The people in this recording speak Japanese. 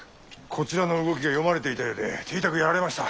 こちらの動きが読まれていたようで手痛くやられました。